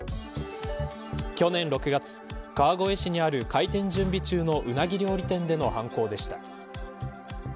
去年６月、川越市にある開店準備中のうなぎ料理店での犯行でした。